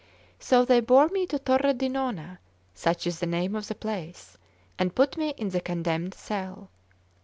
So they bore me to Torre di Nona, such is the name of the place, and put me in the condemned cell.